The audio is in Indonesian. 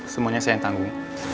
semuanya saya yang tanggung